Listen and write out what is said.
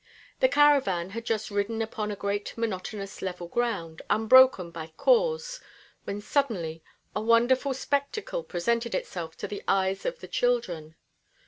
The caravan had just ridden upon a great monotonous level ground, unbroken by khors, when suddenly a wonderful spectacle presented itself to the eyes of the children.